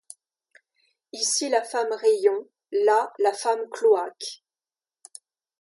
Ici la femme rayon ; là la femme cloaque.